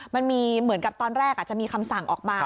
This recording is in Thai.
มันมีเหมือนกับตอนแรกจะมีคำสั่งออกมา